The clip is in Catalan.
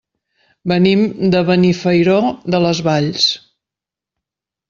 Venim de Benifairó de les Valls.